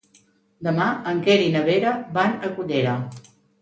Demà en Quer i na Vera van a Cullera.